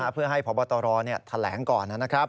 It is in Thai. เพื่อให้พบตรแถลงก่อนนะครับ